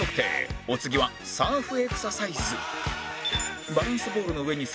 お次はサーフエクササイズ